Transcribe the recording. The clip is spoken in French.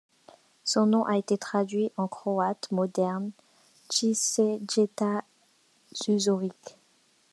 Son nom a été traduit en croate moderne Cvijeta Zuzorić.